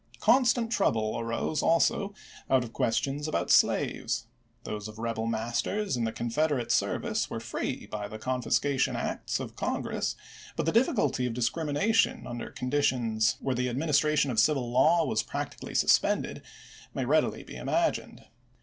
Constant trouble arose also out of questions about slaves; those of rebel masters in the Confederate service were free by the confiscation acts of Con gress, . but the difficulty of discrimination under conditions where the administration of civil law was practically suspended may readily be im agined.